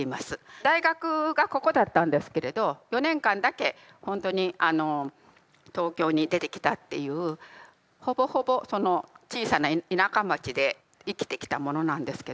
大学がここだったんですけれど４年間だけほんとに東京に出てきたっていうほぼほぼその小さな田舎町で生きてきた者なんですけど。